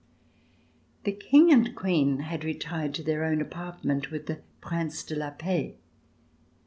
The King and Queen had retired to their own apart ment with the Prince de la Paix.